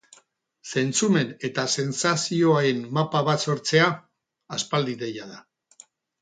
Zentzumen eta sentsazioen mapa bat sortzea aspaldi ideia da.